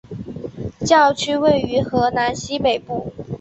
教区位于荷兰西北部。